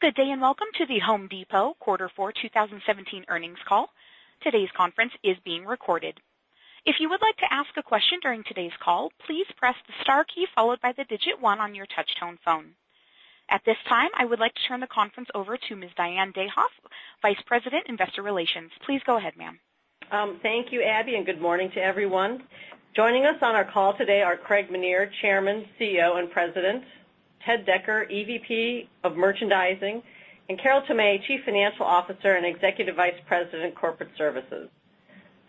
Good day, welcome to The Home Depot Quarter Four 2017 earnings call. Today's conference is being recorded. If you would like to ask a question during today's call, please press the star key followed by the one on your touch-tone phone. At this time, I would like to turn the conference over to Ms. Diane Dayhoff, vice president, Investor Relations. Please go ahead, ma'am. Thank you, Abby, good morning to everyone. Joining us on our call today are Craig Menear, chairman, CEO, and president, Ted Decker, EVP of Merchandising, Carol Tomé, Chief Financial Officer and Executive Vice President, Corporate Services.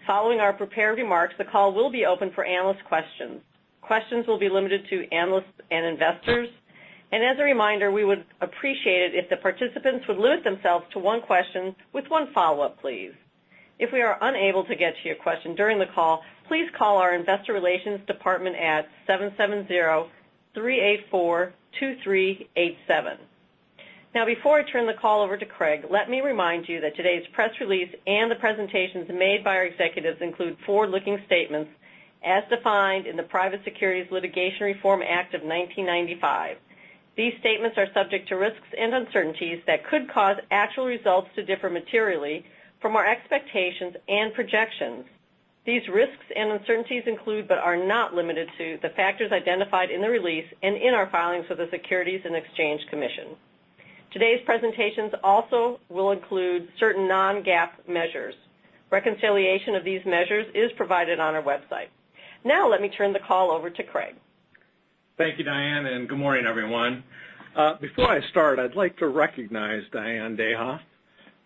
Following our prepared remarks, the call will be open for analyst questions. Questions will be limited to analysts and investors. As a reminder, we would appreciate it if the participants would limit themselves to one question with one follow-up, please. If we are unable to get to your question during the call, please call our investor relations department at 770-384-2387. Before I turn the call over to Craig, let me remind you that today's press release and the presentations made by our executives include forward-looking statements as defined in the Private Securities Litigation Reform Act of 1995. These statements are subject to risks and uncertainties that could cause actual results to differ materially from our expectations and projections. These risks and uncertainties include, but are not limited to, the factors identified in the release and in our filings with the Securities and Exchange Commission. Today's presentations also will include certain non-GAAP measures. Reconciliation of these measures is provided on our website. Let me turn the call over to Craig. Thank you, Diane, good morning, everyone. Before I start, I'd like to recognize Diane Dayhoff.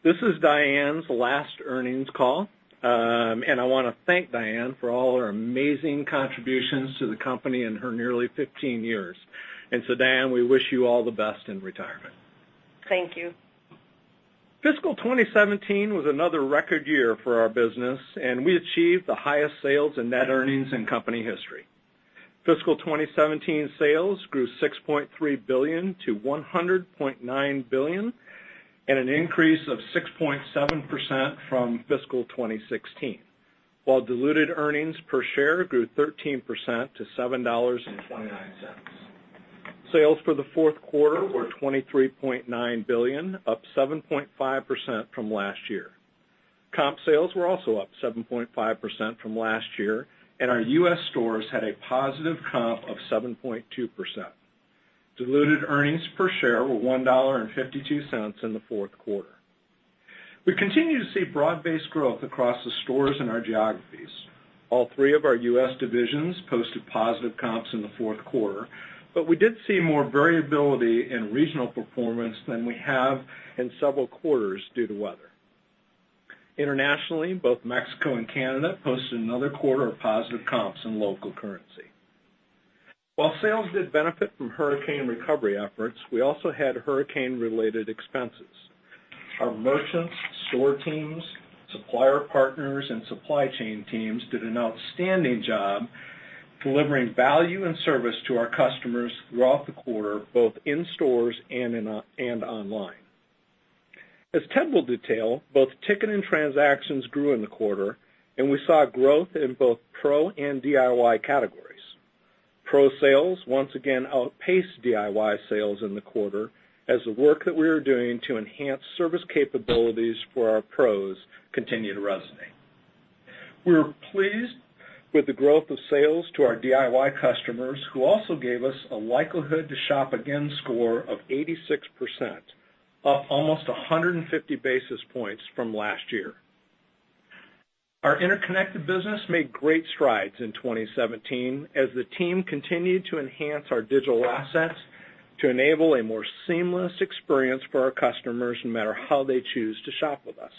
This is Diane's last earnings call. I want to thank Diane for all her amazing contributions to the company in her nearly 15 years. So Diane, we wish you all the best in retirement. Thank you. Fiscal 2017 was another record year for our business. We achieved the highest sales and net earnings in company history. Fiscal 2017 sales grew $6.3 billion to $100.9 billion, an increase of 6.7% from fiscal 2016. Diluted earnings per share grew 13% to $7.29. Sales for the fourth quarter were $23.9 billion, up 7.5% from last year. Comp sales were also up 7.5% from last year, and our U.S. stores had a positive comp of 7.2%. Diluted earnings per share were $1.52 in the fourth quarter. We continue to see broad-based growth across the stores in our geographies. All three of our U.S. divisions posted positive comps in the fourth quarter, but we did see more variability in regional performance than we have in several quarters due to weather. Internationally, both Mexico and Canada posted another quarter of positive comps in local currency. Sales did benefit from hurricane recovery efforts, we also had hurricane-related expenses. Our merchants, store teams, supplier partners, and supply chain teams did an outstanding job delivering value and service to our customers throughout the quarter, both in stores and online. As Ted will detail, both ticket and transactions grew in the quarter, and we saw growth in both Pro and DIY categories. Pro sales once again outpaced DIY sales in the quarter as the work that we are doing to enhance service capabilities for our Pros continued to resonate. We were pleased with the growth of sales to our DIY customers, who also gave us a likelihood to shop again score of 86%, up almost 150 basis points from last year. Our interconnected business made great strides in 2017 as the team continued to enhance our digital assets to enable a more seamless experience for our customers no matter how they choose to shop with us.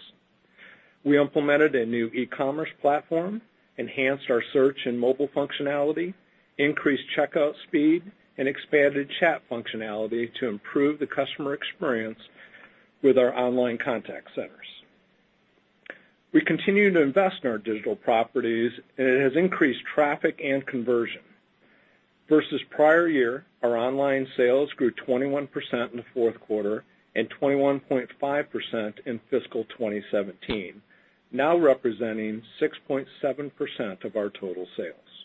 We implemented a new e-commerce platform, enhanced our search and mobile functionality, increased checkout speed, expanded chat functionality to improve the customer experience with our online contact centers. We continue to invest in our digital properties, and it has increased traffic and conversion. Versus prior year, our online sales grew 21% in the fourth quarter and 21.5% in fiscal 2017, now representing 6.7% of our total sales.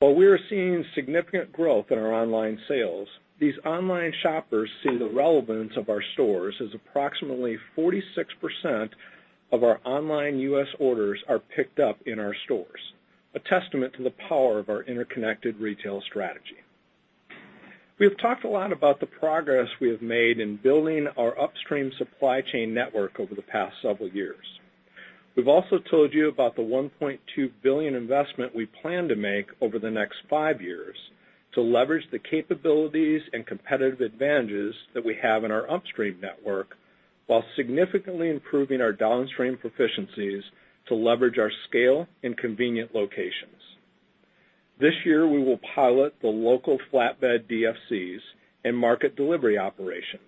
While we are seeing significant growth in our online sales, these online shoppers see the relevance of our stores as approximately 46% of our online U.S. orders are picked up in our stores, a testament to the power of our interconnected retail strategy. We have talked a lot about the progress we have made in building our upstream supply chain network over the past several years. We've also told you about the $1.2 billion investment we plan to make over the next five years to leverage the capabilities and competitive advantages that we have in our upstream network while significantly improving our downstream proficiencies to leverage our scale and convenient locations. This year, we will pilot the local flatbed DFCs and market delivery operations.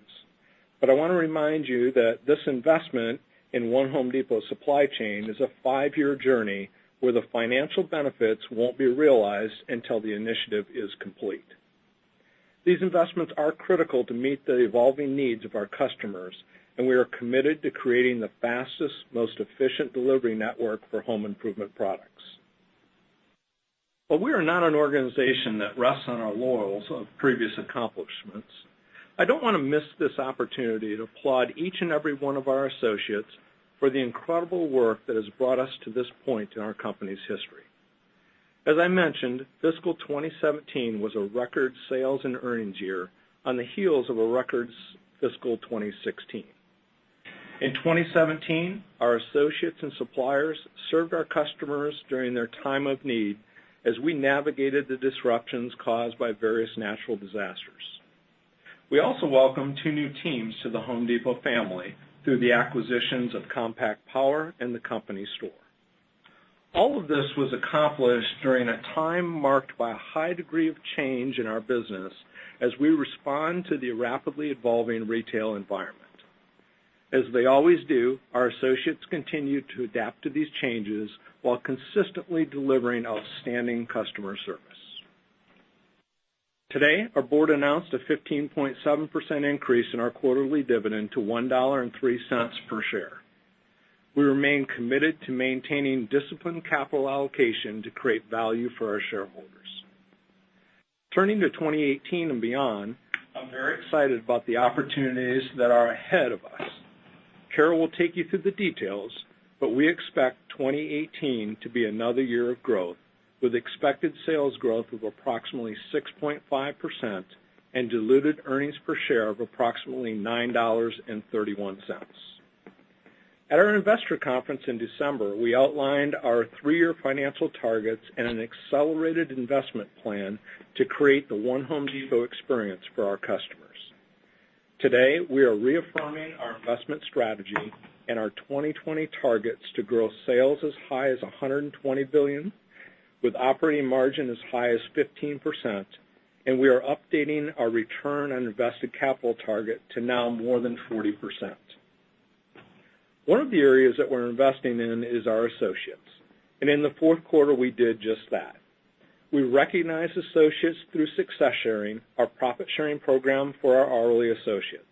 I want to remind you that this investment in One Home Depot supply chain is a five-year journey where the financial benefits won't be realized until the initiative is complete. These investments are critical to meet the evolving needs of our customers, and we are committed to creating the fastest, most efficient delivery network for home improvement products. We are not an organization that rests on our laurels of previous accomplishments. I don't want to miss this opportunity to applaud each and every one of our associates for the incredible work that has brought us to this point in our company's history. As I mentioned, fiscal 2017 was a record sales and earnings year on the heels of a record fiscal 2016. In 2017, our associates and suppliers served our customers during their time of need as we navigated the disruptions caused by various natural disasters. We also welcomed two new teams to The Home Depot family through the acquisitions of Compact Power and The Company Store. All of this was accomplished during a time marked by a high degree of change in our business as we respond to the rapidly evolving retail environment. As they always do, our associates continue to adapt to these changes while consistently delivering outstanding customer service. Today, our board announced a 15.7% increase in our quarterly dividend to $1.03 per share. We remain committed to maintaining disciplined capital allocation to create value for our shareholders. Turning to 2018 and beyond, I'm very excited about the opportunities that are ahead of us. Carol will take you through the details, but we expect 2018 to be another year of growth with expected sales growth of approximately 6.5% and diluted earnings per share of approximately $9.31. At our investor conference in December, we outlined our three-year financial targets and an accelerated investment plan to create the One Home Depot experience for our customers. Today, we are reaffirming our investment strategy and our 2020 targets to grow sales as high as $120 billion, with operating margin as high as 15%, and we are updating our return on invested capital target to now more than 40%. One of the areas that we're investing in is our associates, and in the fourth quarter, we did just that. We recognized associates through Success Sharing, our profit-sharing program for our hourly associates.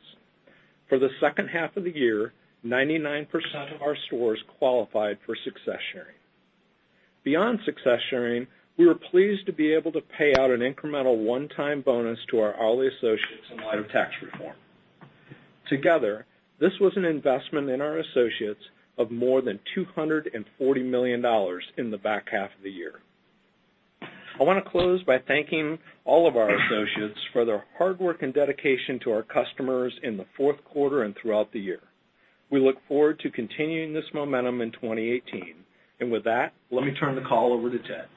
For the second half of the year, 99% of our stores qualified for Success Sharing. Beyond Success Sharing, we were pleased to be able to pay out an incremental one-time bonus to our hourly associates in light of tax reform. Together, this was an investment in our associates of more than $240 million in the back half of the year. I want to close by thanking all of our associates for their hard work and dedication to our customers in the fourth quarter and throughout the year. We look forward to continuing this momentum in 2018. With that, let me turn the call over to Ted.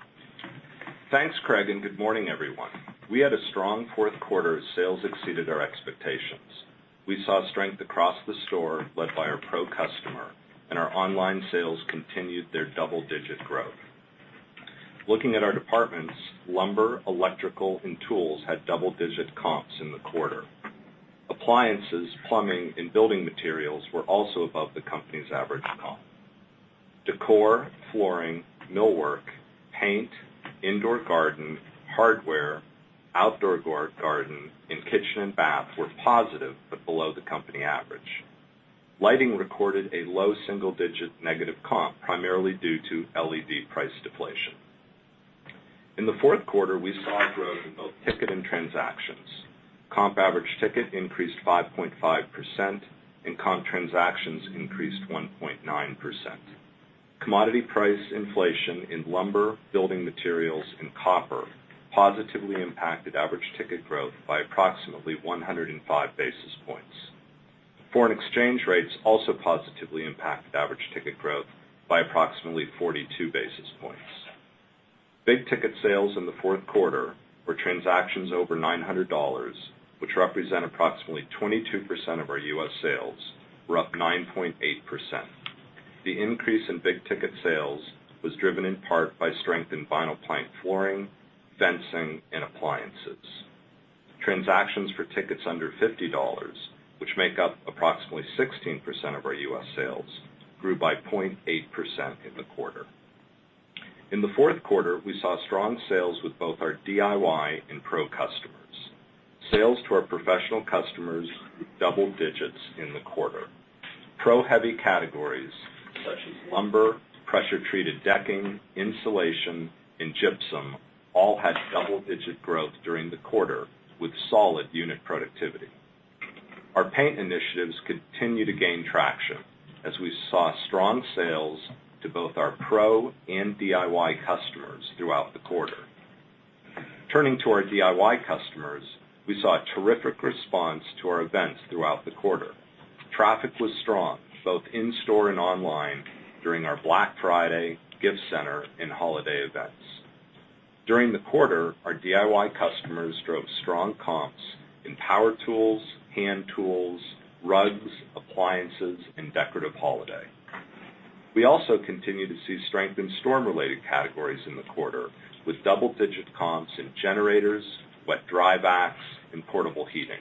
Thanks, Craig. Good morning, everyone. We had a strong fourth quarter as sales exceeded our expectations. We saw strength across the store led by our pro customer, our online sales continued their double-digit growth. Looking at our departments, lumber, electrical, and tools had double-digit comps in the quarter. Appliances, plumbing, and building materials were also above the company's average comp. Decor, flooring, millwork, paint, indoor garden, hardware, outdoor garden, and kitchen and bath were positive but below the company average. Lighting recorded a low single-digit negative comp, primarily due to LED price deflation. In the fourth quarter, we saw growth in both ticket and transactions. Comp average ticket increased 5.5%, and comp transactions increased 1.9%. Commodity price inflation in lumber, building materials, and copper positively impacted average ticket growth by approximately 105 basis points. Foreign exchange rates also positively impacted average ticket growth by approximately 42 basis points. Big ticket sales in the fourth quarter were transactions over $900, which represent approximately 22% of our U.S. sales, were up 9.8%. The increase in big ticket sales was driven in part by strength in vinyl plank flooring, fencing, and appliances. Transactions for tickets under $50, which make up approximately 16% of our U.S. sales, grew by 0.8% in the quarter. In the fourth quarter, we saw strong sales with both our DIY and pro customers. Sales to our professional customers grew double-digits in the quarter. Pro heavy categories such as lumber, pressure-treated decking, insulation, and gypsum all had double-digit growth during the quarter with solid unit productivity. Our paint initiatives continue to gain traction as we saw strong sales to both our pro and DIY customers throughout the quarter. Turning to our DIY customers, we saw a terrific response to our events throughout the quarter. Traffic was strong, both in store and online during our Black Friday, Gift Center, and holiday events. During the quarter, our DIY customers drove strong comps in power tools, hand tools, rugs, appliances, and decorative holiday. We also continue to see strength in storm-related categories in the quarter with double-digit comps in generators, wet/dry vacs, and portable heating.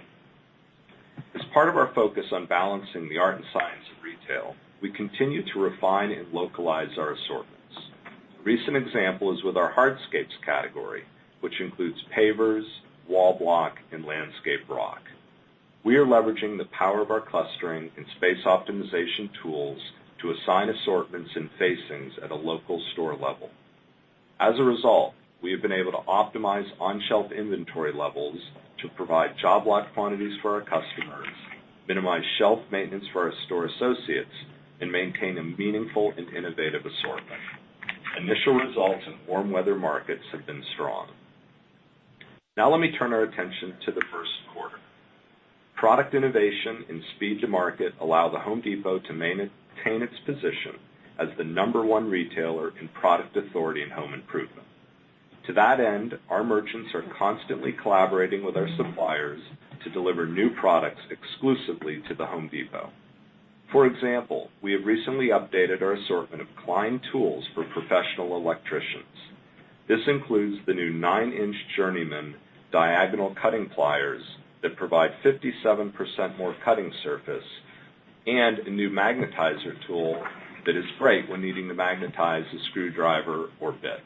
As part of our focus on balancing the art and science of retail, we continue to refine and localize our assortments. A recent example is with our hardscapes, which includes pavers, wall block, and landscape rock. We are leveraging the power of our clustering and space optimization tools to assign assortments and facings at a local store level. As a result, we have been able to optimize on-shelf inventory levels to provide job lot quantities for our customers, minimize shelf maintenance for our store associates, and maintain a meaningful and innovative assortment. Initial results in warm weather markets have been strong. Let me turn our attention to the first quarter. Product innovation and speed to market allow The Home Depot to maintain its position as the number 1 retailer in product authority and home improvement. To that end, our merchants are constantly collaborating with our suppliers to deliver new products exclusively to The Home Depot. For example, we have recently updated our assortment of Klein Tools for professional electricians. This includes the new nine-inch journeyman diagonal cutting pliers that provide 57% more cutting surface and a new magnetizer tool that is great when needing to magnetize a screwdriver or bit.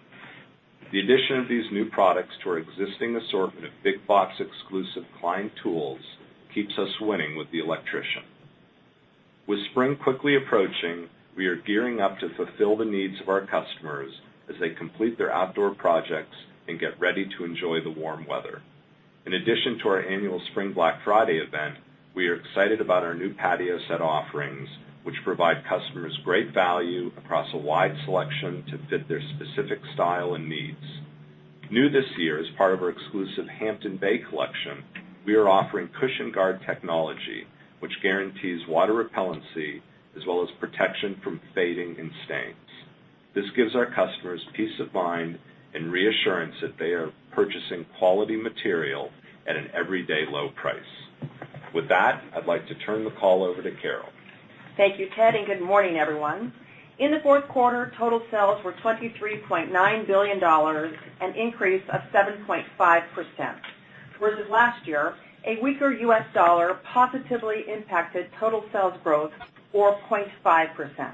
The addition of these new products to our existing assortment of big box exclusive Klein Tools keeps us winning with the electrician. With spring quickly approaching, we are gearing up to fulfill the needs of our customers as they complete their outdoor projects and get ready to enjoy the warm weather. In addition to our annual Spring Black Friday event, we are excited about our new patio set offerings, which provide customers great value across a wide selection to fit their specific style and needs. New this year, as part of our exclusive Hampton Bay collection, we are offering CushionGuard technology, which guarantees water repellency as well as protection from fading and stains. This gives our customers peace of mind and reassurance that they are purchasing quality material at an everyday low price. With that, I'd like to turn the call over to Carol. Thank you, Ted. Good morning, everyone. In the fourth quarter, total sales were $23.9 billion, an increase of 7.5%. Versus last year, a weaker U.S. dollar positively impacted total sales growth or 0.5%.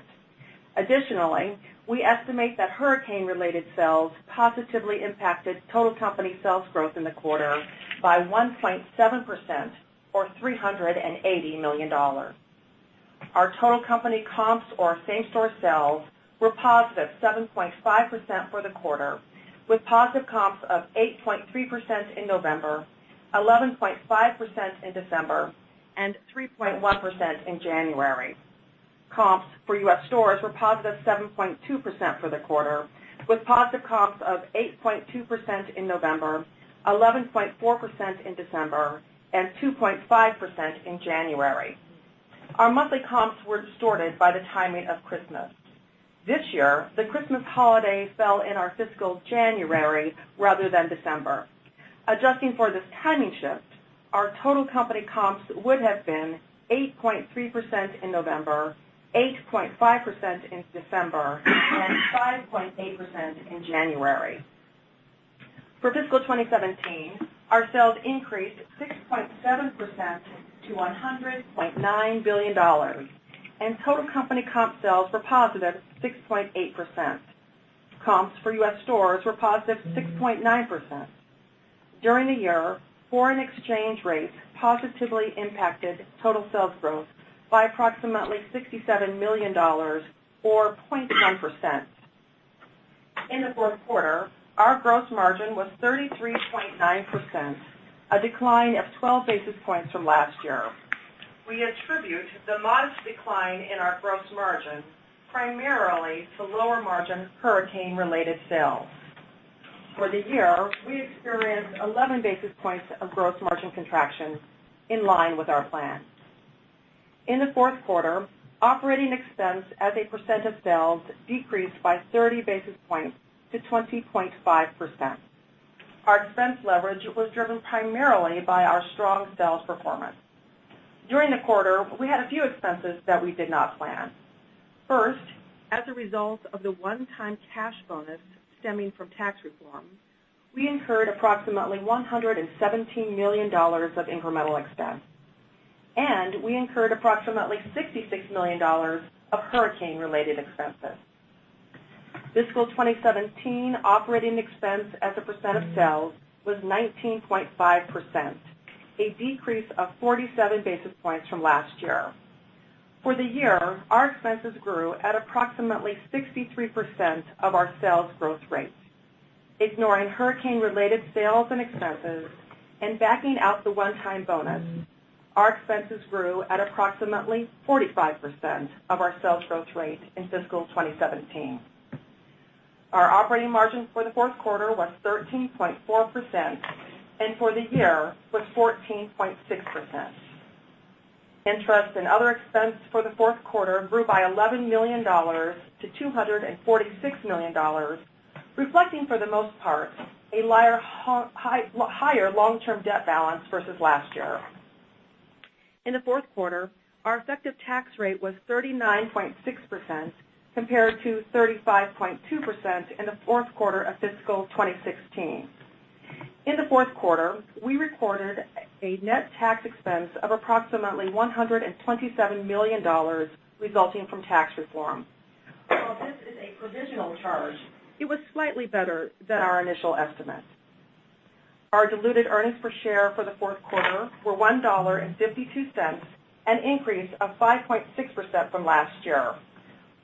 Additionally, we estimate that hurricane-related sales positively impacted total company sales growth in the quarter by 1.7%, or $380 million. Our total company comps or same-store sales were positive 7.5% for the quarter, with positive comps of 8.3% in November, 11.5% in December, and 3.1% in January. Comps for U.S. stores were positive 7.2% for the quarter, with positive comps of 8.2% in November, 11.4% in December, and 2.5% in January. Our monthly comps were distorted by the timing of Christmas. This year, the Christmas holiday fell in our fiscal January rather than December. Adjusting for this timing shift, our total company comps would have been 8.3% in November, 8.5% in December, and 5.8% in January. For fiscal 2017, our sales increased 6.7% to $100.9 billion. Total company comp sales were positive 6.8%. Comps for U.S. stores were positive 6.9%. During the year, foreign exchange rates positively impacted total sales growth by approximately $67 million, or 0.1%. In the fourth quarter, our gross margin was 33.9%, a decline of 12 basis points from last year. We attribute the modest decline in our gross margin primarily to lower-margin hurricane-related sales. For the year, we experienced 11 basis points of gross margin contraction, in line with our plan. In the fourth quarter, operating expense as a percent of sales decreased by 30 basis points to 20.5%. Our expense leverage was driven primarily by our strong sales performance. During the quarter, we had a few expenses that we did not plan. First, as a result of the one-time cash bonus stemming from tax reform, we incurred approximately $117 million of incremental expense, and we incurred approximately $66 million of hurricane-related expenses. Fiscal 2017 operating expense as a percent of sales was 19.5%, a decrease of 47 basis points from last year. For the year, our expenses grew at approximately 63% of our sales growth rate. Ignoring hurricane-related sales and expenses and backing out the one-time bonus, our expenses grew at approximately 45% of our sales growth rate in fiscal 2017. Our operating margin for the fourth quarter was 13.4% and for the year was 14.6%. Interest and other expense for the fourth quarter grew by $11 million to $246 million, reflecting for the most part, a higher long-term debt balance versus last year. In the fourth quarter, our effective tax rate was 39.6%, compared to 35.2% in the fourth quarter of fiscal 2016. In the fourth quarter, we recorded a net tax expense of approximately $127 million resulting from tax reform. This is a provisional charge. It was slightly better than our initial estimate. Our diluted earnings per share for the fourth quarter were $1.52, an increase of 5.6% from last year.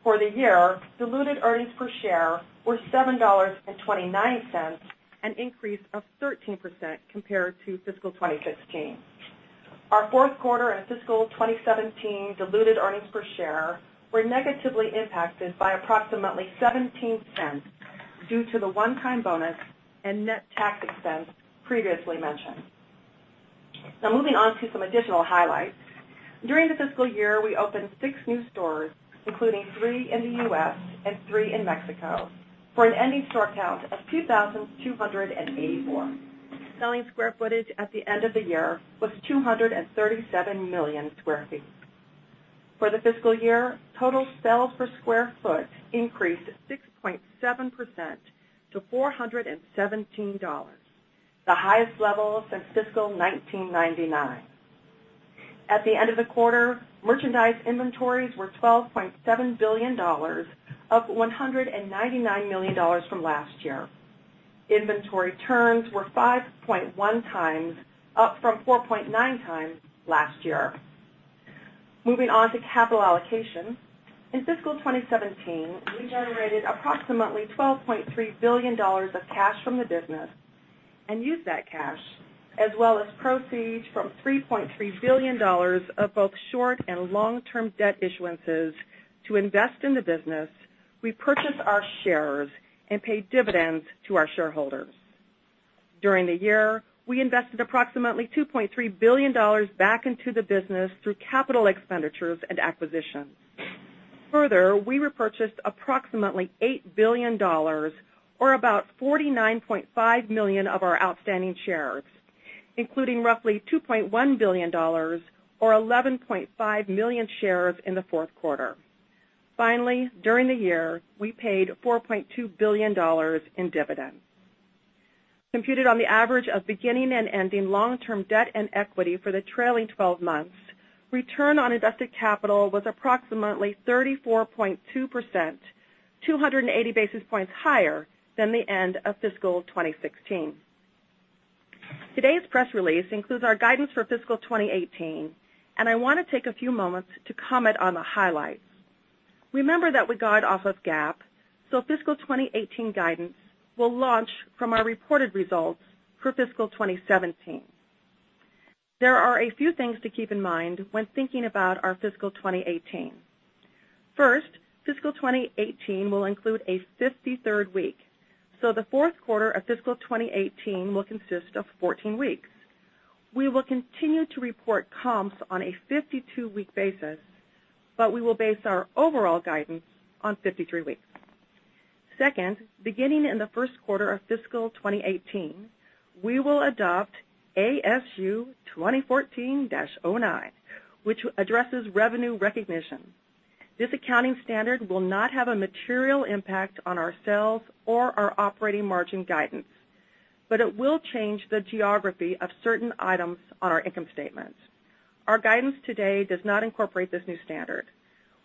For the year, diluted earnings per share were $7.29, an increase of 13% compared to fiscal 2016. Our fourth quarter and fiscal 2017 diluted earnings per share were negatively impacted by approximately $0.17 due to the one-time bonus and net tax expense previously mentioned. Moving on to some additional highlights. During the fiscal year, we opened six new stores, including three in the U.S. and three in Mexico, for an ending store count of 2,284. Selling square footage at the end of the year was 237 million square feet. For the fiscal year, total sales per square foot increased 6.7% to $417, the highest level since fiscal 1999. At the end of the quarter, merchandise inventories were $12.7 billion, up $199 million from last year. Inventory turns were 5.1 times, up from 4.9 times last year. Moving on to capital allocation. In fiscal 2017, we generated approximately $12.3 billion of cash from the business and used that cash, as well as proceeds from $3.3 billion of both short- and long-term debt issuances to invest in the business, repurchase our shares, and pay dividends to our shareholders. During the year, we invested approximately $2.3 billion back into the business through capital expenditures and acquisitions. We repurchased approximately $8 billion, or about 49.5 million of our outstanding shares, including roughly $2.1 billion or 11.5 million shares in the fourth quarter. We paid $4.2 billion in dividends. Computed on the average of beginning and ending long-term debt and equity for the trailing 12 months, return on invested capital was approximately 34.2%, 280 basis points higher than the end of fiscal 2016. Today's press release includes our guidance for fiscal 2018. I want to take a few moments to comment on the highlights. Remember that we guide off of GAAP. Fiscal 2018 guidance will launch from our reported results for fiscal 2017. There are a few things to keep in mind when thinking about our fiscal 2018. Fiscal 2018 will include a 53rd week. The fourth quarter of fiscal 2018 will consist of 14 weeks. We will continue to report comps on a 52-week basis, we will base our overall guidance on 53 weeks. Second, beginning in the first quarter of fiscal 2018, we will adopt ASU 2014-09, which addresses revenue recognition. This accounting standard will not have a material impact on our sales or our operating margin guidance, it will change the geography of certain items on our income statement. Our guidance today does not incorporate this new standard.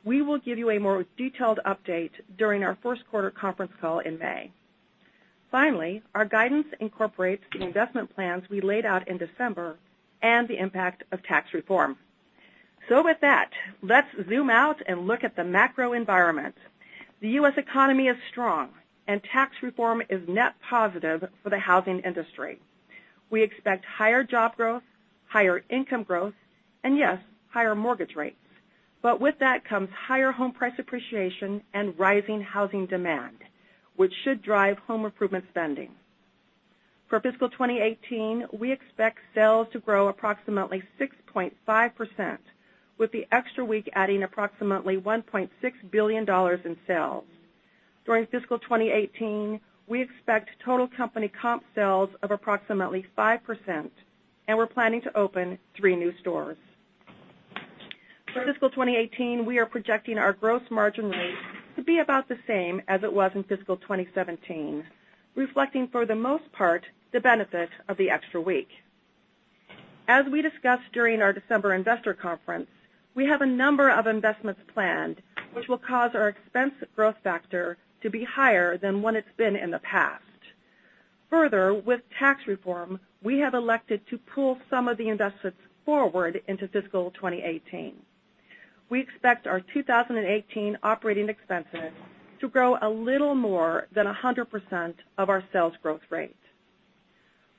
We will give you a more detailed update during our first quarter conference call in May. Finally, our guidance incorporates the investment plans we laid out in December and the impact of tax reform. With that, let's zoom out and look at the macro environment. The U.S. economy is strong, tax reform is net positive for the housing industry. We expect higher job growth, higher income growth, yes, higher mortgage rates. With that comes higher home price appreciation and rising housing demand, which should drive home improvement spending. For fiscal 2018, we expect sales to grow approximately 6.5%, with the extra week adding approximately $1.6 billion in sales. During fiscal 2018, we expect total company comp sales of approximately 5%, we're planning to open three new stores. For fiscal 2018, we are projecting our gross margin rate to be about the same as it was in fiscal 2017, reflecting for the most part, the benefit of the extra week. As we discussed during our December investor conference, we have a number of investments planned which will cause our expense growth factor to be higher than what it's been in the past. Further, with tax reform, we have elected to pull some of the investments forward into fiscal 2018. We expect our 2018 operating expenses to grow a little more than 100% of our sales growth rate.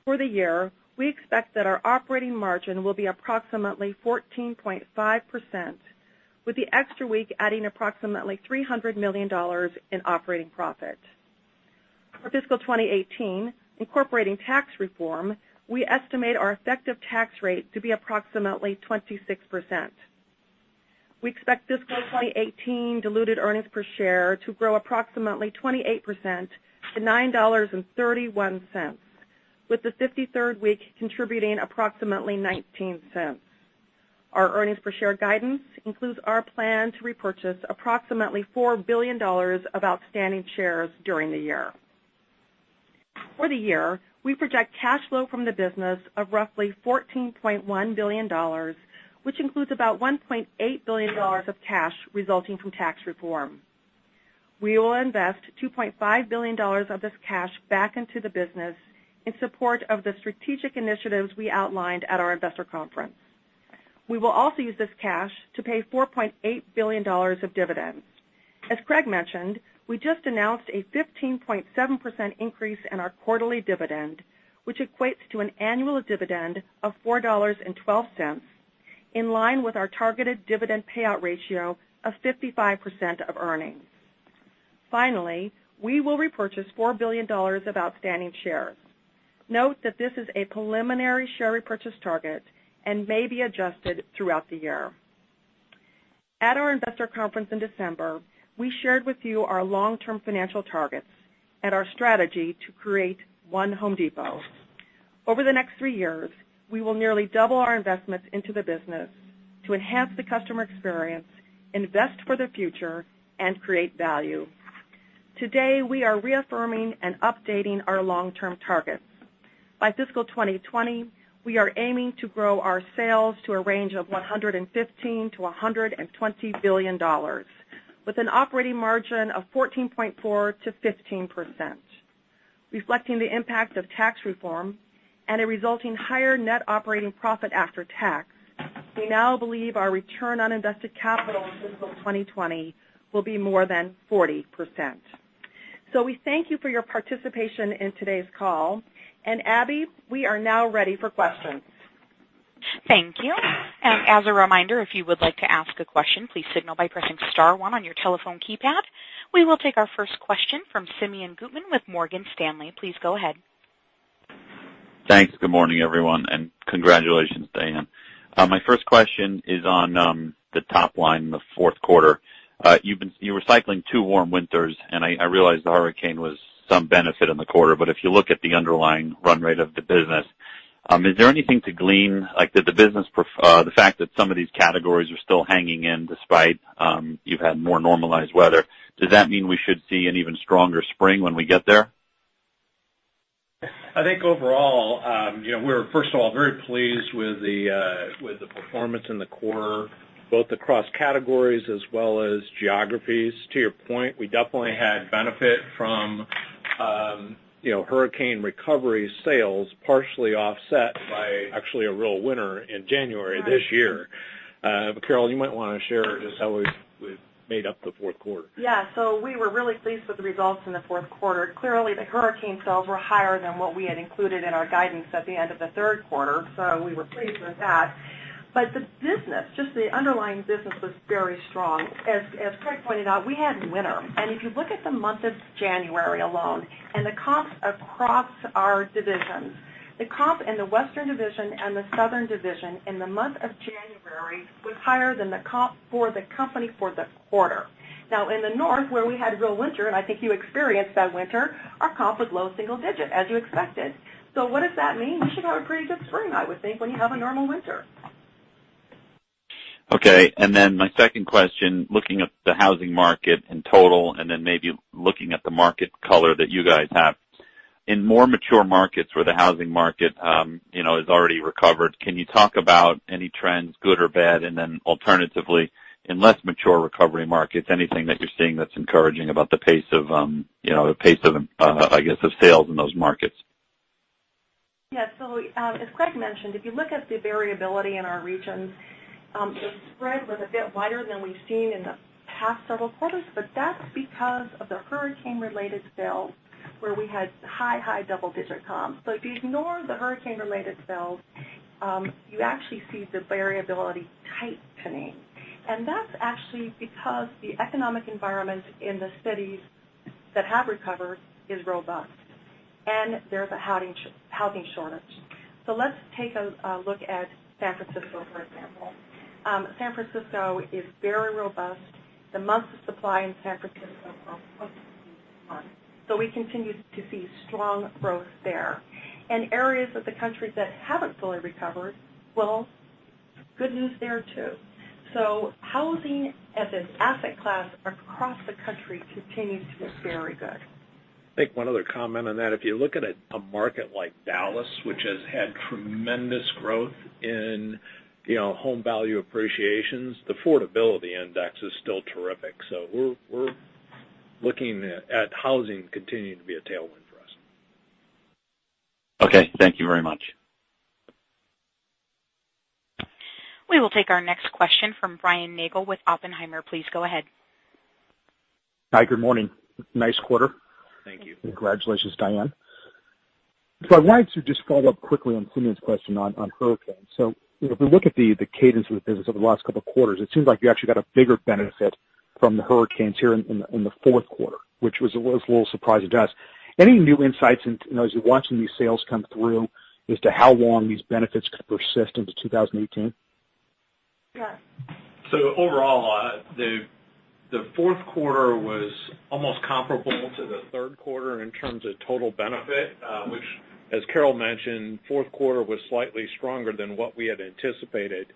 For the year, we expect that our operating margin will be approximately 14.5%, with the extra week adding approximately $300 million in operating profit. For fiscal 2018, incorporating tax reform, we estimate our effective tax rate to be approximately 26%. We expect fiscal 2018 diluted earnings per share to grow approximately 28% to $9.31, with the 53rd week contributing approximately $0.19. Our earnings per share guidance includes our plan to repurchase approximately $4 billion of outstanding shares during the year. For the year, we project cash flow from the business of roughly $14.1 billion, which includes about $1.8 billion of cash resulting from tax reform. We will invest $2.5 billion of this cash back into the business in support of the strategic initiatives we outlined at our investor conference. We will also use this cash to pay $4.8 billion of dividends. As Craig mentioned, we just announced a 15.7% increase in our quarterly dividend, which equates to an annual dividend of $4.12, in line with our targeted dividend payout ratio of 55% of earnings. Finally, we will repurchase $4 billion of outstanding shares. Note that this is a preliminary share repurchase target and may be adjusted throughout the year. At our investor conference in December, we shared with you our long-term financial targets and our strategy to create One Home Depot. Over the next three years, we will nearly double our investments into the business to enhance the customer experience, invest for the future, and create value. Today, we are reaffirming and updating our long-term targets. By fiscal 2020, we are aiming to grow our sales to a range of $115 billion-$120 billion with an operating margin of 14.4%-15%. Reflecting the impact of tax reform and a resulting higher net operating profit after tax, we now believe our return on invested capital in fiscal 2020 will be more than 40%. We thank you for your participation in today's call. Abby, we are now ready for questions. Thank you. As a reminder, if you would like to ask a question, please signal by pressing *1 on your telephone keypad. We will take our first question from Simeon Gutman with Morgan Stanley. Please go ahead. Thanks. Good morning, everyone, Congratulations, Diane. My first question is on the top line, the fourth quarter. You were cycling two warm winters, and I realize the hurricane was some benefit in the quarter, if you look at the underlying run rate of the business, is there anything to glean, like the fact that some of these categories are still hanging in despite you've had more normalized weather, does that mean we should see an even stronger spring when we get there? I think overall, we were first of all, very pleased with the performance in the quarter, both across categories as well as geographies. To your point, we definitely had benefit from hurricane recovery sales partially offset by actually a real winter in January this year. Carol, you might want to share just how we made up the fourth quarter. We were really pleased with the results in the fourth quarter. Clearly, the hurricane sales were higher than what we had included in our guidance at the end of the third quarter. We were pleased with that. The business, just the underlying business was very strong. As Craig pointed out, we had winter. If you look at the month of January alone and the comps across our divisions, the comp in the Western division and the Southern division in the month of January was higher than the comp for the company for the quarter. Now in the North, where we had real winter, and I think you experienced that winter, our comp was low single-digit, as you expected. What does that mean? We should have a pretty good spring, I would think, when you have a normal winter. My second question, looking at the housing market in total, maybe looking at the market color that you guys have. In more mature markets where the housing market is already recovered, can you talk about any trends, good or bad? Alternatively, in less mature recovery markets, anything that you're seeing that's encouraging about the pace of the sales in those markets? As Craig mentioned, if you look at the variability in our regions, the spread was a bit wider than we've seen in the past several quarters, but that's because of the hurricane-related sales, where we had high double-digit comps. If you ignore the hurricane-related sales, you actually see the variability tightening. That's actually because the economic environment in the cities that have recovered is robust, and there's a housing shortage. Let's take a look at San Francisco, for example. San Francisco is very robust. The months of supply in San Francisco are close to one. We continue to see strong growth there. Areas of the country that haven't fully recovered, well, good news there, too. Housing as an asset class across the country continues to look very good. Make one other comment on that. If you look at a market like Dallas, which has had tremendous growth in home value appreciations, the affordability index is still terrific. We're looking at housing continuing to be a tailwind for us. Okay. Thank you very much. We will take our next question from Brian Nagel with Oppenheimer. Please go ahead. Hi, good morning. Nice quarter. Thank you. Congratulations, Diane. I wanted to just follow up quickly on Simeon's question on hurricanes. If we look at the cadence of the business over the last couple of quarters, it seems like you actually got a bigger benefit from the hurricanes here in the fourth quarter, which was a little surprising to us. Any new insights as you're watching these sales come through as to how long these benefits could persist into 2018? Yeah. Overall, the fourth quarter was almost comparable to the third quarter in terms of total benefit, which as Carol mentioned, fourth quarter was slightly stronger than what we had anticipated.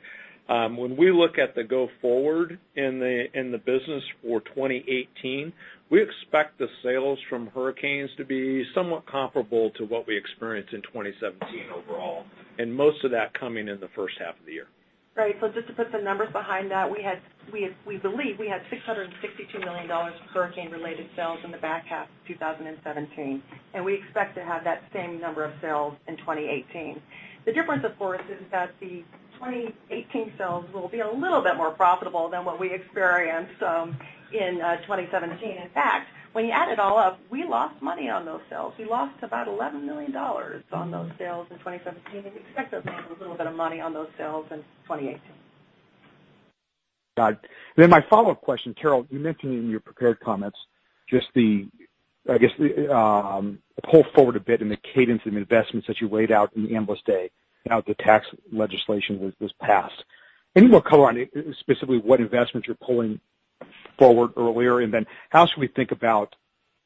When we look at the go forward in the business for 2018, we expect the sales from hurricanes to be somewhat comparable to what we experienced in 2017 overall, and most of that coming in the first half of the year. Right. Just to put some numbers behind that, we believe we had $662 million of hurricane-related sales in the back half of 2017, and we expect to have that same number of sales in 2018. The difference, of course, is that the 2018 sales will be a little bit more profitable than what we experienced in 2017. In fact, when you add it all up, we lost money on those sales. We lost about $11 million on those sales in 2017, and we expect to make a little bit of money on those sales in 2018. Got it. My follow-up question, Carol, you mentioned in your prepared comments just the, I guess, the pull forward a bit in the cadence of investments that you laid out in the Investor Day, now the tax legislation was passed. Any more color on specifically what investments you're pulling forward earlier, and then how should we think about,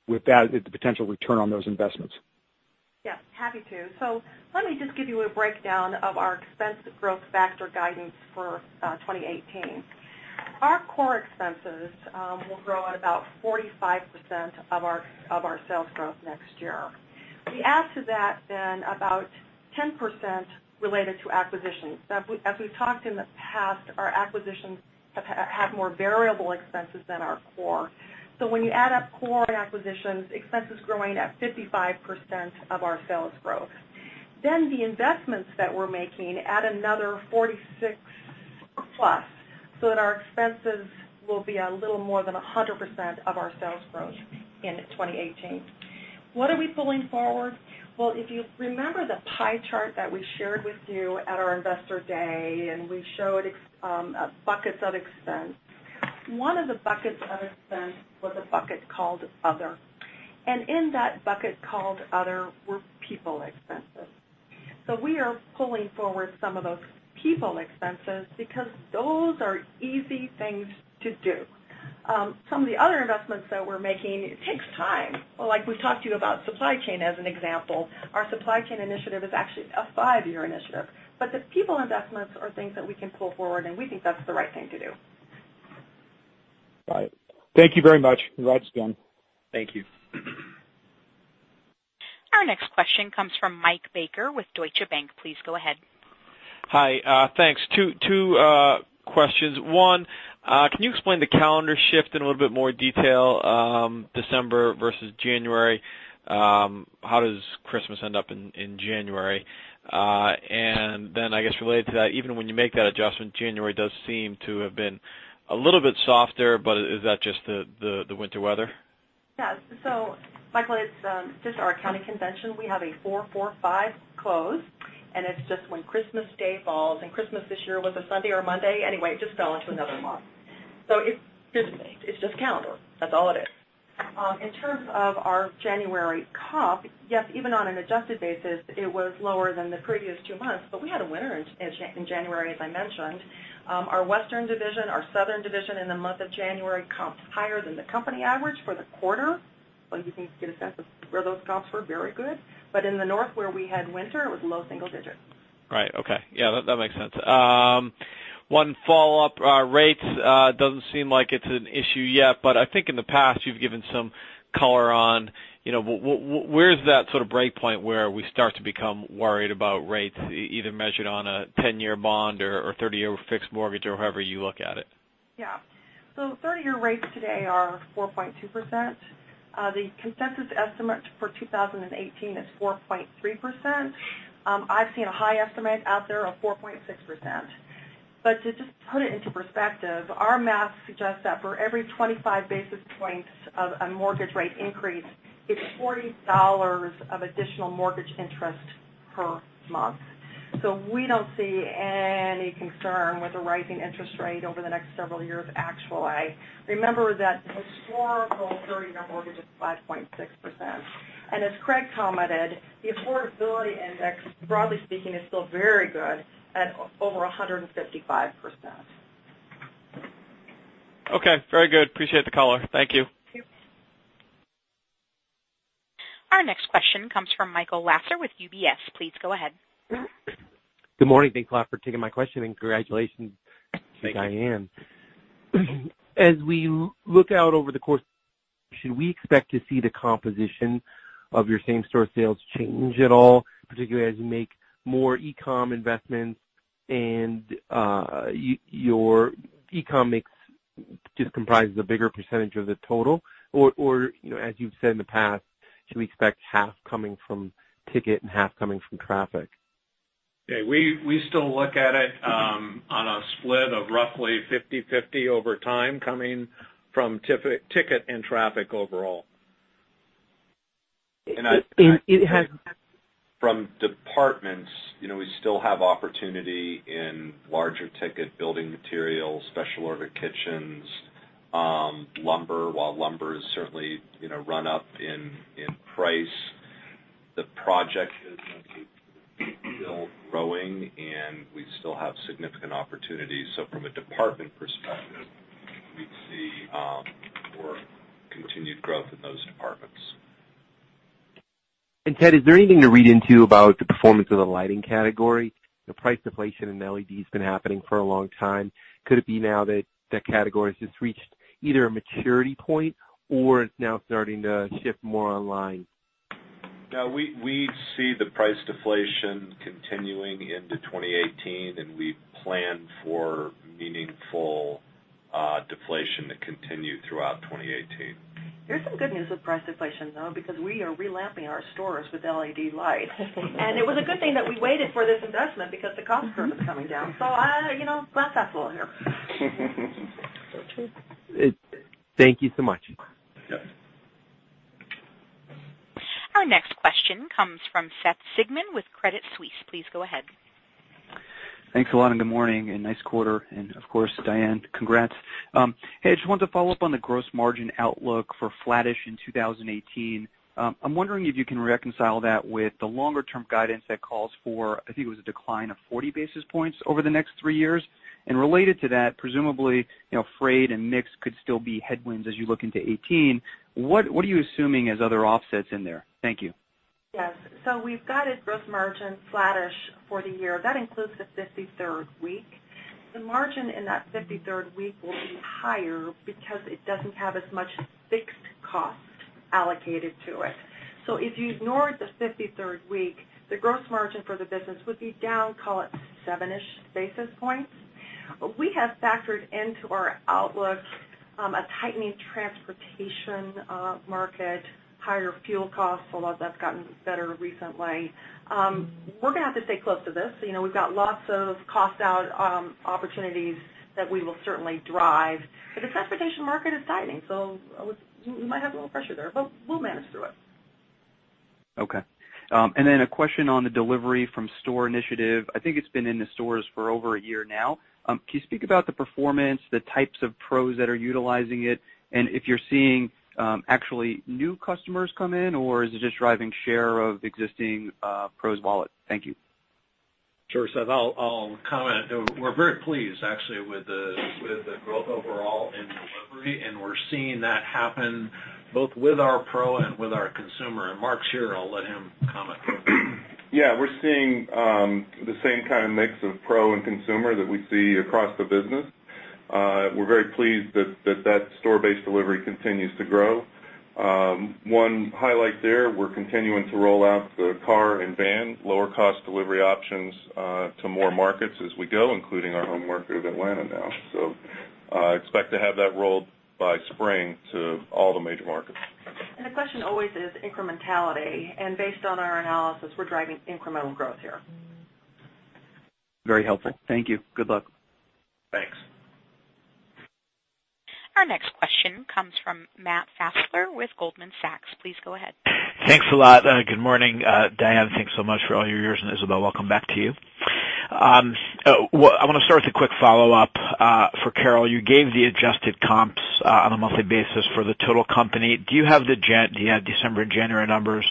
with that, the potential return on those investments? Yeah, happy to. Let me just give you a breakdown of our expense growth factor guidance for 2018. Our core expenses will grow at about 45% of our sales growth next year. We add to that then about 10% related to acquisitions. Now, as we've talked in the past, our acquisitions have more variable expenses than our core. When you add up core and acquisitions, expenses growing at 55% of our sales growth. The investments that we're making add another 46 plus, so that our expenses will be a little more than 100% of our sales growth in 2018. What are we pulling forward? Well, if you remember the pie chart that we shared with you at our Investor Day, and we showed buckets of expense. One of the buckets of expense was a bucket called Other. In that bucket called Other were people expenses. We are pulling forward some of those people expenses because those are easy things to do. Some of the other investments that we're making, it takes time. Like we talked to you about supply chain as an example. Our supply chain initiative is actually a five-year initiative. The people investments are things that we can pull forward, and we think that's the right thing to do. Got it. Thank you very much. [inaudible] Thank you. Our next question comes from Mike Baker with Deutsche Bank. Please go ahead. Hi. Thanks. Two questions. One, can you explain the calendar shift in a little bit more detail, December versus January? How does Christmas end up in January? I guess related to that, even when you make that adjustment, January does seem to have been a little bit softer, but is that just the winter weather? Michael, it's just our accounting convention. We have a four, five close. It's just when Christmas Day falls. Christmas this year was a Sunday or a Monday. It just fell into another month. It's just calendar. That's all it is. In terms of our January comp, yes, even on an adjusted basis, it was lower than the previous two months, but we had a winter in January, as I mentioned. Our Western division, our Southern division in the month of January comped higher than the company average for the quarter. You can get a sense of where those comps were very good. In the north, where we had winter, it was low single digits. Right. Okay. Yeah, that makes sense. One follow-up. Rates, doesn't seem like it's an issue yet, but I think in the past you've given some color on where is that sort of break point where we start to become worried about rates, either measured on a 10-year bond or 30-year fixed mortgage or however you look at it? Yeah. 30-year rates today are 4.2%. The consensus estimate for 2018 is 4.3%. I've seen a high estimate out there of 4.6%. To just put it into perspective, our math suggests that for every 25 basis points of a mortgage rate increase, it's $40 of additional mortgage interest per month. We don't see any concern with a rising interest rate over the next several years, actually. Remember that historical 30-year mortgage is 5.6%. As Craig commented, the affordability index, broadly speaking, is still very good at over 155%. Okay. Very good. Appreciate the color. Thank you. Thank you. Our next question comes from Michael Lasser with UBS. Please go ahead. Good morning. Thanks a lot for taking my question, and congratulations to Diane. Thank you. As we look out over the course, should we expect to see the composition of your same-store sales change at all, particularly as you make more e-com investments and your e-com mix just comprises a bigger percentage of the total? Or as you've said in the past, should we expect half coming from ticket and half coming from traffic? Yeah, we still look at it on a split of roughly 50/50 over time coming from ticket and traffic overall. It has- From departments, we still have opportunity in larger ticket building materials, special order kitchens, lumber. While lumber has certainly run up in price, the project business is still growing, and we still have significant opportunities. From a department perspective, we'd see more continued growth in those departments. Ted, is there anything to read into about the performance of the lighting category? The price deflation in LEDs been happening for a long time. Could it be now that that category has just reached either a maturity point or it's now starting to shift more online? No, we see the price deflation continuing into 2018. We plan for meaningful deflation to continue throughout 2018. There's some good news with price deflation, though, because we are re-lamping our stores with LED lights. It was a good thing that we waited for this investment because the cost curve is coming down. I'm glad that's all here. True. Thank you so much. Yes. Our next question comes from Seth Sigman with Credit Suisse. Please go ahead. Thanks a lot, good morning, and nice quarter. Of course, Diane, congrats. I just wanted to follow up on the gross margin outlook for flattish in 2018. I'm wondering if you can reconcile that with the longer-term guidance that calls for, I think it was a decline of 40 basis points over the next three years. Related to that, presumably, freight and mix could still be headwinds as you look into 2018. What are you assuming as other offsets in there? Thank you. Yes. We've guided gross margin flattish for the year. That includes the 53rd week. The margin in that 53rd week will be higher because it doesn't have as much fixed cost allocated to it. If you ignore the 53rd week, the gross margin for the business would be down, call it seven-ish basis points. We have factored into our outlook a tightening transportation market, higher fuel costs, although that's gotten better recently. We're going to have to stay close to this. We've got lots of cost out opportunities that we will certainly drive. The transportation market is tightening, so we might have a little pressure there, but we'll manage through it. Okay. A question on the delivery from store initiative. I think it's been in the stores for over a year now. Can you speak about the performance, the types of Pros that are utilizing it, and if you're seeing actually new customers come in, or is it just driving share of existing Pros' wallet? Thank you. Sure, Seth, I'll comment. We're very pleased, actually, with the growth overall in delivery. We're seeing that happen both with our Pro and with our consumer. Mark's here, I'll let him comment. Yeah, we're seeing the same kind of mix of pro and consumer that we see across the business. We're very pleased that that store-based delivery continues to grow. One highlight there, we're continuing to roll out the car and van lower cost delivery options to more markets as we go, including our home market of Atlanta now. Expect to have that rolled by spring to all the major markets. The question always is incrementality. Based on our analysis, we're driving incremental growth here. Very helpful. Thank you. Good luck. Thanks. Our next question comes from Matt Fassler with Goldman Sachs. Please go ahead. Thanks a lot. Good morning. Diane, thanks so much for all your years, and Isabel, welcome back to you. I want to start with a quick follow-up for Carol. You gave the adjusted comps on a monthly basis for the total company. Do you have December and January numbers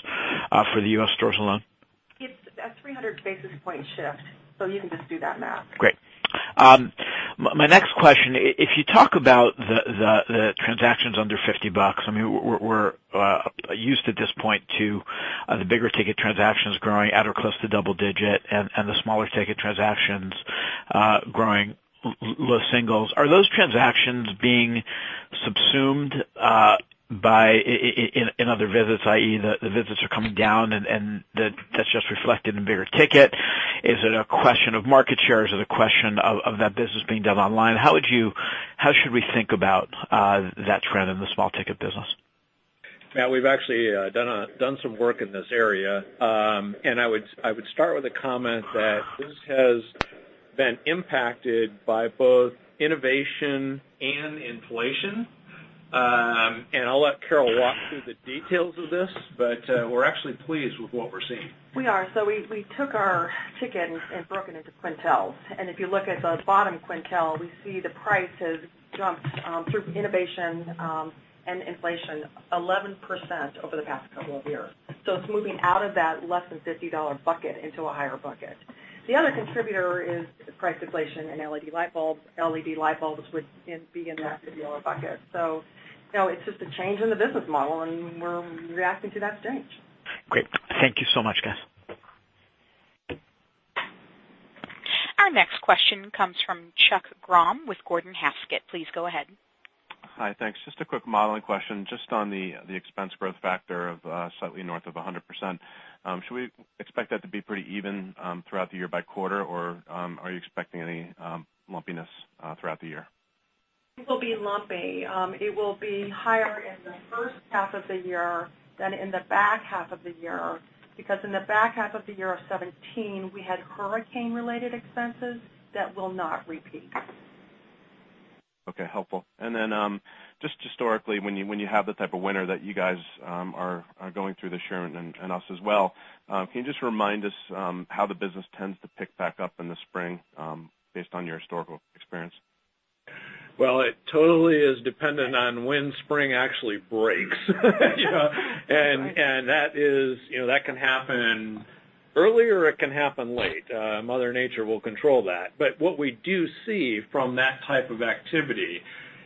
for the U.S. stores alone? It's a 300 basis point shift, so you can just do that math. Great. My next question, if you talk about the transactions under $50, we're used at this point to the bigger ticket transactions growing at or close to double-digit and the smaller ticket transactions growing low singles. Are those transactions being subsumed in other visits, i.e., the visits are coming down and that's just reflected in bigger ticket? Is it a question of market share? Is it a question of that business being done online? How should we think about that trend in the small ticket business? Matt, we've actually done some work in this area. I would start with a comment that this has been impacted by both innovation and inflation. I'll let Carol walk through the details of this, but we're actually pleased with what we're seeing. We are. We took our tickets and broke it into quintiles. If you look at the bottom quintile, we see the price has jumped through innovation and inflation 11% over the past couple of years. It's moving out of that less than $50 bucket into a higher bucket. The other contributor is the price deflation in LED light bulbs. LED light bulbs would be in that $50 bucket. It's just a change in the business model, and we're reacting to that change. Great. Thank you so much, guys. Our next question comes from Chuck Grom with Gordon Haskett. Please go ahead. Hi, thanks. Just a quick modeling question. Just on the expense growth factor of slightly north of 100%. Should we expect that to be pretty even throughout the year by quarter, or are you expecting any lumpiness throughout the year? It will be lumpy. It will be higher in the first half of the year than in the back half of the year because in the back half of 2017, we had hurricane-related expenses that will not repeat. Okay, helpful. Just historically, when you have the type of winter that you guys are going through this year and us as well, can you just remind us how the business tends to pick back up in the spring based on your historical experience? Well, it totally is dependent on when spring actually breaks. That can happen Earlier, it can happen late. Mother Nature will control that. What we do see from that type of activity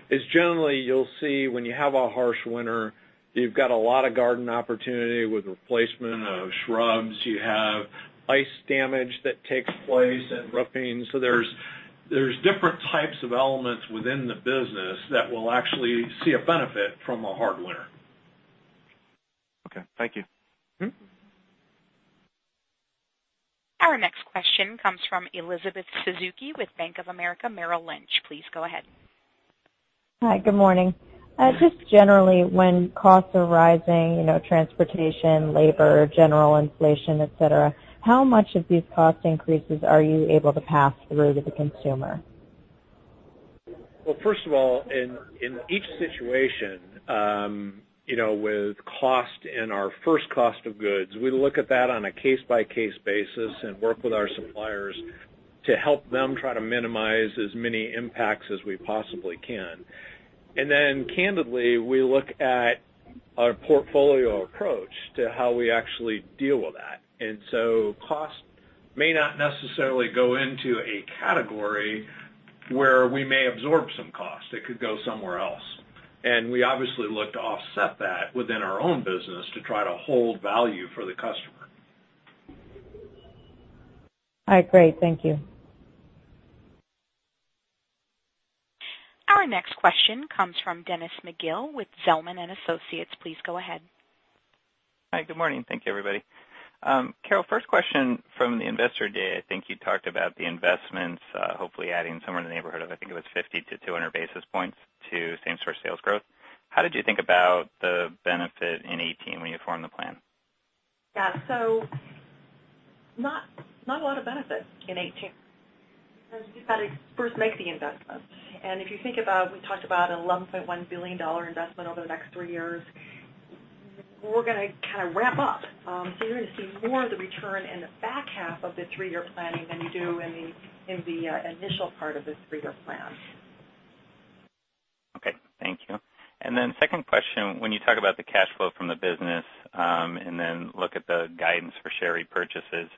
is generally you'll see when you have a harsh winter, you've got a lot of garden opportunity with replacement of shrubs. You have ice damage that takes place and roofing. There's different types of elements within the business that will actually see a benefit from a hard winter. Okay. Thank you. Our next question comes from Elizabeth Suzuki with Bank of America Merrill Lynch. Please go ahead. Hi. Good morning. Good morning. Just generally, when costs are rising, transportation, labor, general inflation, et cetera, how much of these cost increases are you able to pass through to the consumer? Well, first of all, in each situation, with cost and our first cost of goods, we look at that on a case-by-case basis and work with our suppliers to help them try to minimize as many impacts as we possibly can. Then candidly, we look at our portfolio approach to how we actually deal with that. So cost may not necessarily go into a category where we may absorb some cost. It could go somewhere else. We obviously look to offset that within our own business to try to hold value for the customer. All right. Great. Thank you. Our next question comes from Dennis McGill with Zelman & Associates. Please go ahead. Hi. Good morning. Thank you, everybody. Carol, first question. From the Investor Day, I think you talked about the investments, hopefully adding somewhere in the neighborhood of, I think it was 50 to 200 basis points to same-store sales growth. How did you think about the benefit in 2018 when you formed the plan? Yeah. Not a lot of benefit in 2018 because you've got to first make the investment. If you think about, we talked about a $11.1 billion investment over the next three years. We're going to kind of wrap up, so you're going to see more of the return in the back half of the three-year planning than you do in the initial part of this three-year plan. Okay. Thank you. Second question, when you talk about the cash flow from the business, then look at the guidance for share repurchases,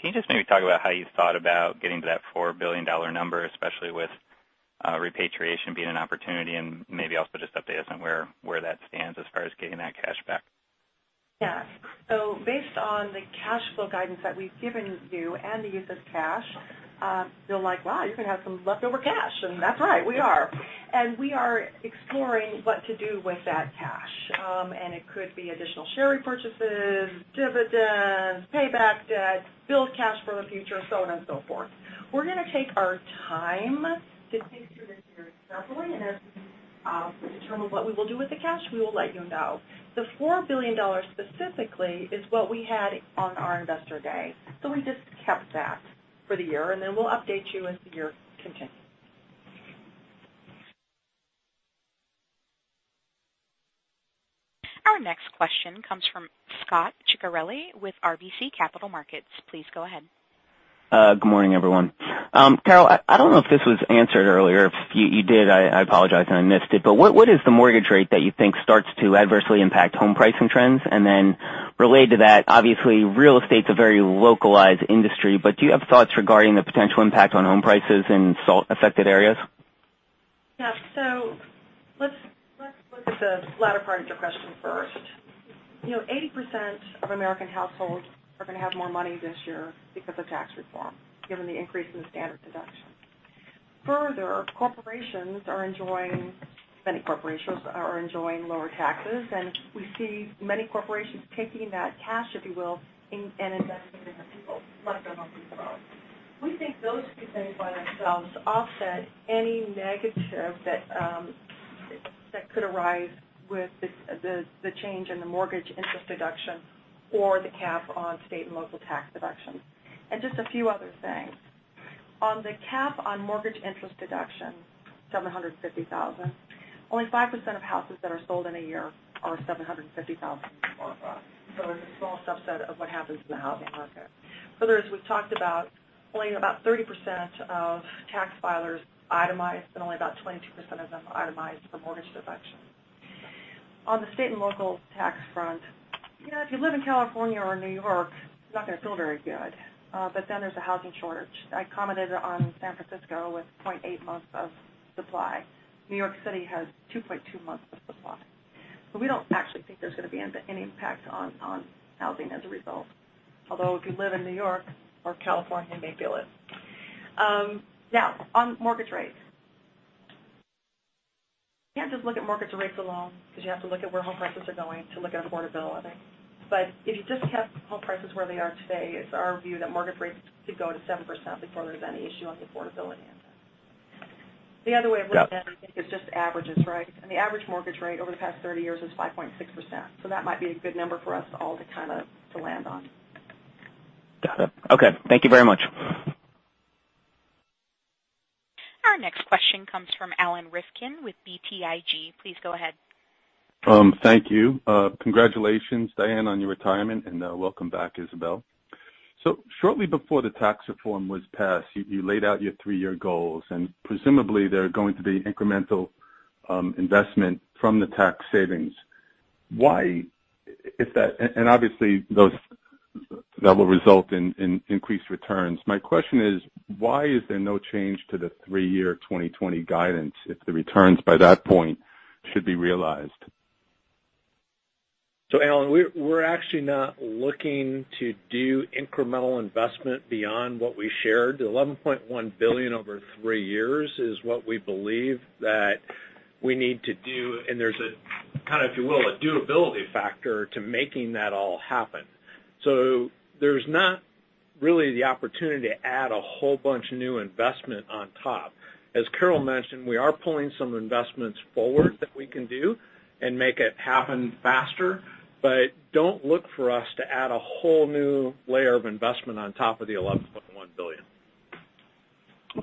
can you just maybe talk about how you thought about getting to that $4 billion number, especially with repatriation being an opportunity and maybe also just update us on where that stands as far as getting that cash back? Yeah. Based on the cash flow guidance that we've given you and the use of cash, you'll like, "Wow, you're going to have some leftover cash." That's right, we are. We are exploring what to do with that cash. It could be additional share repurchases, dividends, pay back debt, build cash for the future, so on and so forth. We're going to take our time to think through this very carefully, and as we determine what we will do with the cash, we will let you know. The $4 billion specifically is what we had on our Investor Day. We just kept that for the year, and then we'll update you as the year continues. Our next question comes from Scot Ciccarelli with RBC Capital Markets. Please go ahead. Good morning, everyone. Carol, I don't know if this was answered earlier. If you did, I apologize, and I missed it. What is the mortgage rate that you think starts to adversely impact home pricing trends? Related to that, obviously real estate's a very localized industry, but do you have thoughts regarding the potential impact on home prices in salt-affected areas? Let's look at the latter part of your question first. 80% of American households are going to have more money this year because of tax reform, given the increase in the standard deduction. Further, many corporations are enjoying lower taxes, and we see many corporations taking that cash, if you will, and investing it in their people, letting their money flow. We think those two things by themselves offset any negative that could arise with the change in the mortgage interest deduction or the cap on state and local tax deductions. Just a few other things. On the cap on mortgage interest deduction, $750,000, only 5% of houses that are sold in a year are $750,000 or above. It's a small subset of what happens in the housing market. Further, as we've talked about, only about 30% of tax filers itemize, and only about 22% of them itemize for mortgage deductions. On the state and local tax front, if you live in California or N.Y., you're not gonna feel very good. There's a housing shortage. I commented on San Francisco with 0.8 months of supply. N.Y. City has 2.2 months of supply. We don't actually think there's gonna be any impact on housing as a result. Although, if you live in N.Y. or California, you may feel it. Now, on mortgage rates. You can't just look at mortgage rates alone because you have to look at where home prices are going to look at affordability. If you just cap home prices where they are today, it's our view that mortgage rates could go to 7% before there's any issue on the affordability end. Yeah I think is just averages, right? The average mortgage rate over the past 30 years is 5.6%, so that might be a good number for us all to land on. Got it. Okay. Thank you very much. Our next question comes from Alan Rifkin with BTIG. Please go ahead. Thank you. Congratulations, Diane, on your retirement, and welcome back, Isabel. Shortly before the tax reform was passed, you laid out your three-year goals, and presumably they're going to be incremental investment from the tax savings. Obviously, that will result in increased returns. My question is, why is there no change to the three-year 2020 guidance if the returns by that point should be realized? Alan, we're actually not looking to do incremental investment beyond what we shared. $11.1 billion over three years is what we believe that we need to do. There's a, kind of, if you will, a durability factor to making that all happen. There's not really the opportunity to add a whole bunch of new investment on top. As Carol mentioned, we are pulling some investments forward that we can do and make it happen faster. Don't look for us to add a whole new layer of investment on top of the $11.1 billion.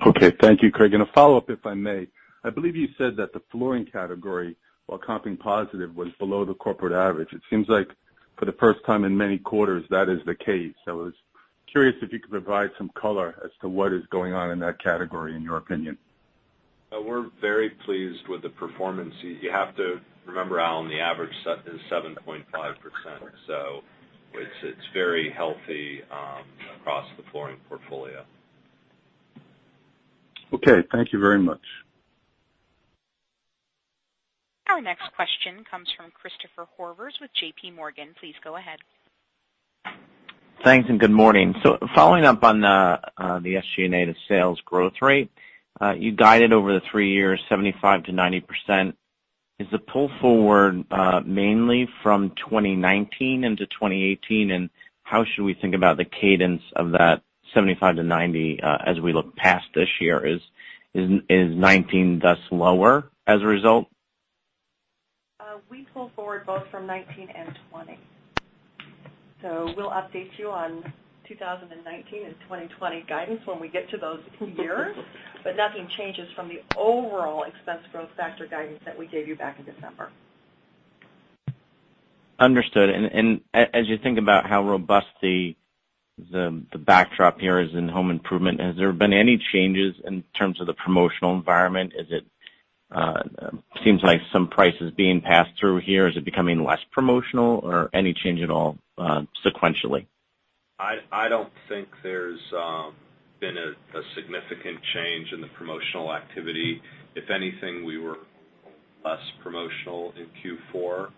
Okay. Thank you, Craig. A follow-up, if I may. I believe you said that the flooring category, while comping positive, was below the corporate average. It seems like for the first time in many quarters, that is the case. I was curious if you could provide some color as to what is going on in that category in your opinion. We're very pleased with the performance. You have to remember, Alan, the average is 7.5%, so it's very healthy across the flooring portfolio. Okay. Thank you very much. Our next question comes from Christopher Horvers with JPMorgan. Please go ahead. Thanks, and good morning. Following up on the SG&A to sales growth rate. You guided over the 3 years, 75%-90%. Is the pull forward mainly from 2019 into 2018, and how should we think about the cadence of that 75-90 as we look past this year? Is 2019 thus lower as a result? We pull forward both from 2019 and 2020. We'll update you on 2019 and 2020 guidance when we get to those years, nothing changes from the overall expense growth factor guidance that we gave you back in December. Understood. As you think about how robust the backdrop here is in home improvement, has there been any changes in terms of the promotional environment? It seems like some prices being passed through here. Is it becoming less promotional or any change at all sequentially? I don't think there's been a significant change in the promotional activity. If anything, we were less promotional in Q4.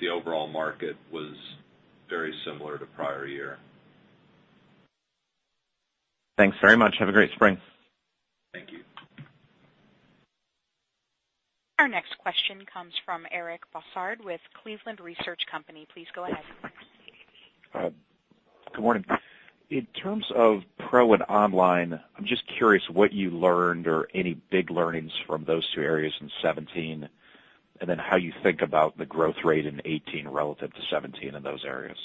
The overall market was very similar to prior year. Thanks very much. Have a great spring. Thank you. Our next question comes from Eric Bosshard with Cleveland Research Company. Please go ahead. Good morning. In terms of pro and online, I'm just curious what you learned or any big learnings from those two areas in 2017. How you think about the growth rate in 2018 relative to 2017 in those areas.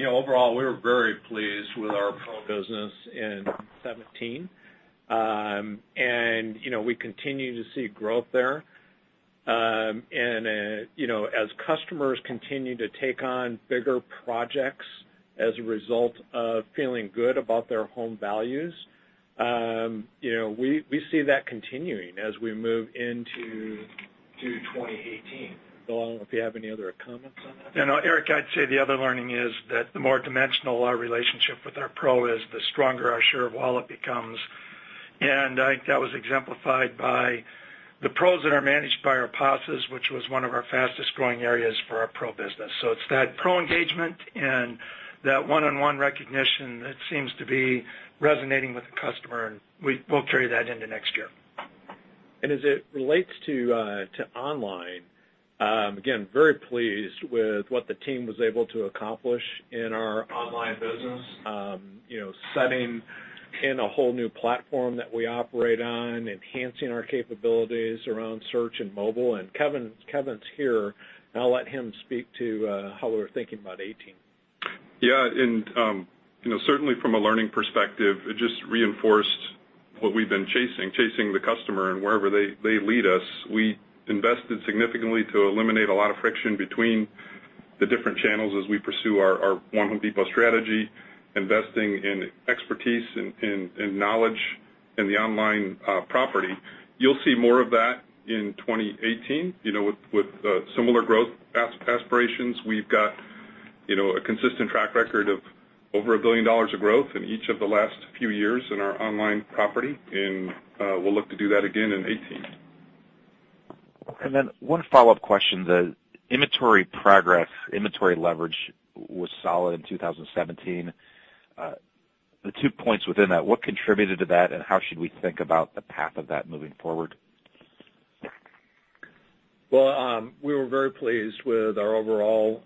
Overall, we were very pleased with our pro business in 2017. We continue to see growth there. As customers continue to take on bigger projects as a result of feeling good about their home values, we see that continuing as we move into 2018. Bill, I don't know if you have any other comments on that? No, Eric, I'd say the other learning is that the more dimensional our relationship with our pro is, the stronger our share of wallet becomes. I think that was exemplified by the pros that are managed by our PASAs, which was one of our fastest-growing areas for our pro business. It's that pro engagement and that one-on-one recognition that seems to be resonating with the customer, and we'll carry that into next year. As it relates to online, again, very pleased with what the team was able to accomplish in our online business. Setting in a whole new platform that we operate on, enhancing our capabilities around search and mobile. Kevin's here, and I'll let him speak to how we're thinking about 2018. Yeah. Certainly from a learning perspective, it just reinforced what we've been chasing the customer and wherever they lead us. We invested significantly to eliminate a lot of friction between the different channels as we pursue our One Home Depot strategy, investing in expertise, in knowledge in the online property. You'll see more of that in 2018 with similar growth aspirations. We've got a consistent track record of over $1 billion of growth in each of the last few years in our online property, and we'll look to do that again in 2018. One follow-up question. The inventory leverage was solid in 2017. The two points within that, what contributed to that, and how should we think about the path of that moving forward? Well, we were very pleased with our overall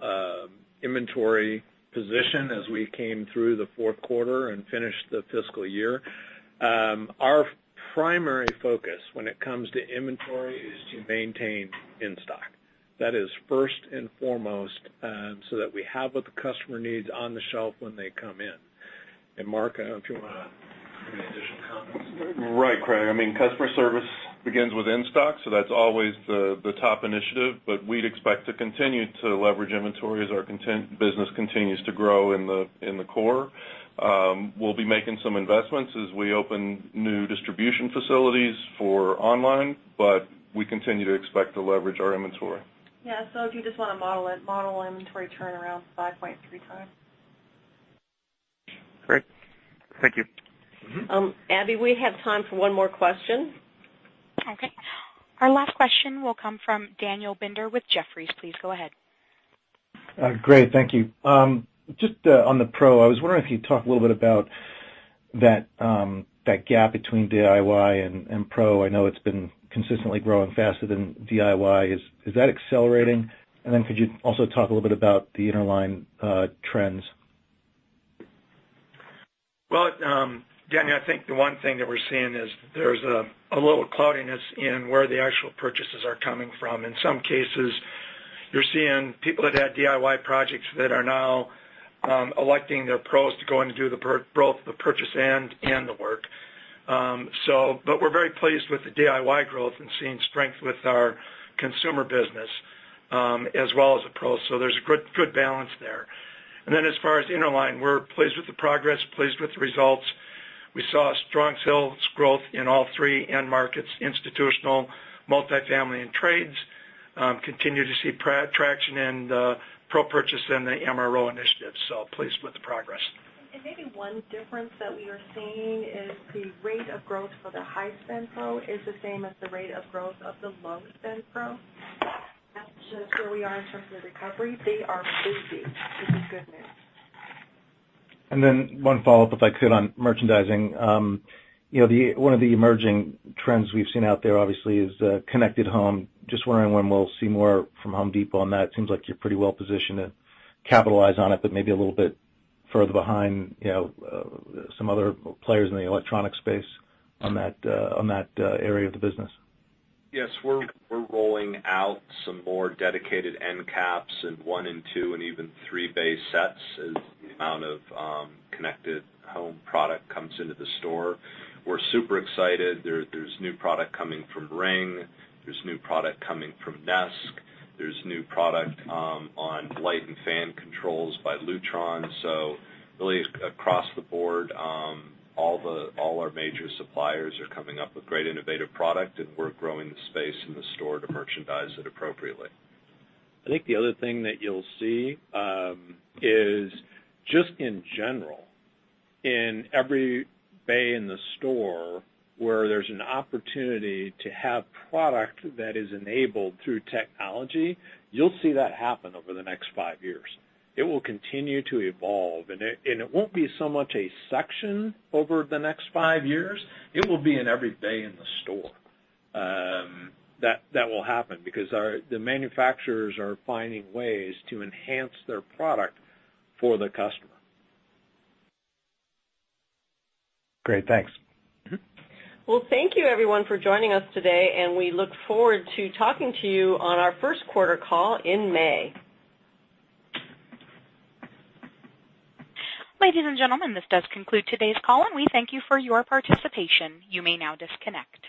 inventory position as we came through the fourth quarter and finished the fiscal year. Our primary focus when it comes to inventory is to maintain in-stock. That is first and foremost so that we have what the customer needs on the shelf when they come in. Mark, I don't know if you want to make any additional comments. Right, Craig. Customer service begins with in-stock, that's always the top initiative. We'd expect to continue to leverage inventory as our business continues to grow in the core. We'll be making some investments as we open new distribution facilities for online, we continue to expect to leverage our inventory. Yeah. If you just want to model it, model inventory turns around 5.3 times. Great. Thank you. Abby, we have time for one more question. Okay. Our last question will come from Daniel Binder with Jefferies. Please go ahead. Great. Thank you. Just on the Pro, I was wondering if you'd talk a little bit about that gap between DIY and Pro. I know it's been consistently growing faster than DIY. Is that accelerating? Then could you also talk a little bit about the Interline trends? Well, Daniel, I think the one thing that we're seeing is there's a little cloudiness in where the actual purchases are coming from. In some cases, you're seeing people that had DIY projects that are now electing their Pros to go in to do both the purchase and the work. We're very pleased with the DIY growth and seeing strength with our consumer business, as well as the Pro. There's a good balance there. Then as far as Interline, we're pleased with the progress, pleased with the results. We saw strong sales growth in all three end markets, institutional, multifamily, and trades. Continue to see traction in the Pro purchase and the MRO initiatives. Pleased with the progress. Maybe one difference that we are seeing is the rate of growth for the high-spend Pro is the same as the rate of growth of the low-spend Pro. That's just where we are in terms of recovery. They are booming, which is good news. One follow-up, if I could, on merchandising. One of the emerging trends we've seen out there, obviously, is connected home. Just wondering when we'll see more from The Home Depot on that. It seems like you're pretty well positioned to capitalize on it, but maybe a little bit further behind some other players in the electronic space on that area of the business. Yes. We're rolling out some more dedicated end caps in one and two, and even three bay sets as the amount of connected home product comes into the store. We're super excited. There's new product coming from Ring. There's new product coming from Nest. There's new product on light and fan controls by Lutron. Really, across the board, all our major suppliers are coming up with great innovative product, and we're growing the space in the store to merchandise it appropriately. I think the other thing that you'll see, is just in general, in every bay in the store where there's an opportunity to have product that is enabled through technology, you'll see that happen over the next five years. It will continue to evolve. It won't be so much a section over the next five years. It will be in every bay in the store. That will happen because the manufacturers are finding ways to enhance their product for the customer. Great. Thanks. Well, thank you everyone for joining us today, and we look forward to talking to you on our first quarter call in May. Ladies and gentlemen, this does conclude today's call, and we thank you for your participation. You may now disconnect.